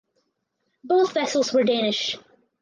Both vessels were Danish.